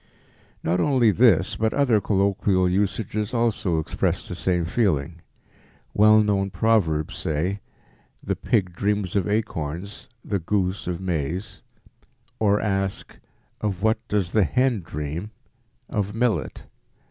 Not only this but other colloquial usages also express the same feeling. Well known proverbs say, "The pig dreams of acorns, the goose of maize," or ask, "Of what does the hen dream? Of millet."